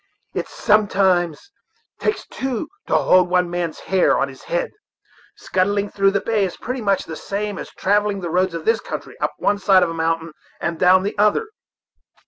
It sometimes takes two to hold one man's hair on his head. Scudding through the bay is pretty much the same thing as travelling the roads in this country, up one side of a mountain and down the other."